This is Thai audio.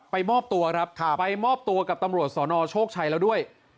มอบตัวครับไปมอบตัวกับตำรวจสนโชคชัยแล้วด้วย